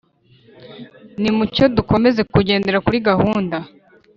nimucyo dukomeze kugendera kuri gahunda